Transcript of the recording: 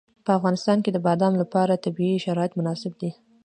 په افغانستان کې د بادام لپاره طبیعي شرایط مناسب دي.